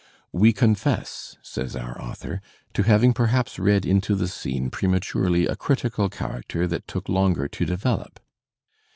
"We confess," says our author, to having perhaps read into the scene, prematurely, a critical character that took longer to develop."